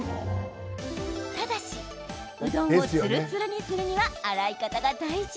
ただし、うどんをツルツルにするには洗い方が大事。